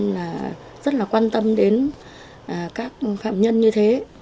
tôi rất là quan tâm đến các phạm nhân như thế